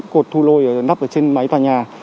cột thu lôi nắp trên máy tòa nhà